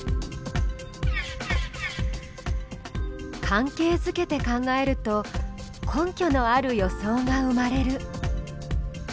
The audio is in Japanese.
関係づけて考えると根拠のある予想が生まれる。